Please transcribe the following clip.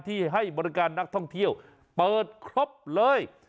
ให้บริการนักท่องเที่ยวเปิดครบเลย